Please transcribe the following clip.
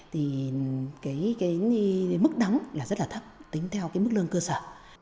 thì cái mức đóng là rất là thấp tính theo cái mức lương cơ sở